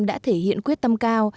đã thể hiện quyết tâm cao